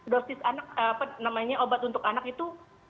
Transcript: dosis obat untuk anak itu